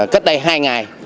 cách đây hai ngày